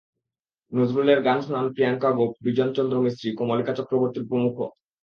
নজরুলের গান শোনান প্রিয়াংকা গোপ, বিজন চন্দ্র মিস্ত্রি, কমলিকা চক্রবর্তী প্রমুখ।